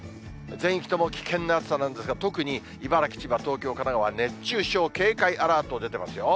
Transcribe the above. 全域とも危険な暑さなんですが、特に茨城、千葉、東京、神奈川、熱中症警戒アラート出てますよ。